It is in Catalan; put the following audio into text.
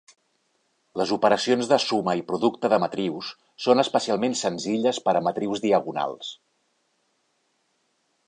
Les operacions de suma i producte de matrius són especialment senzilles per a matrius diagonals.